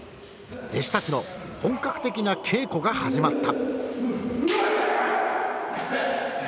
弟子たちの本格的な稽古が始まった。